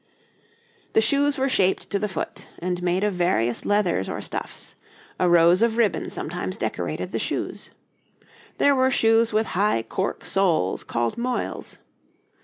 The shoes were shaped to the foot, and made of various leathers or stuffs; a rose of ribbon sometimes decorated the shoes. There were shoes with high cork soles called moyles.